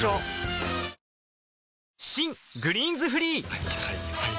はいはいはいはい。